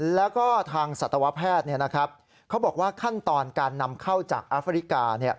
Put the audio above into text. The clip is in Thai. แล้วก็ทางสัตวแพทย์เขาบอกว่าขั้นตอนการนำเข้าจากแอฟริกา